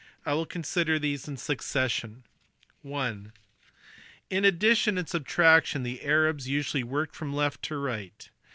I will consider these in succession. (i) In addition and subtraction the Arabs usually worked from left to right.